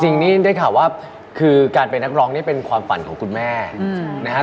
จริงนี่ได้ข่าวว่าคือการเป็นนักร้องนี่เป็นความฝันของคุณแม่นะครับ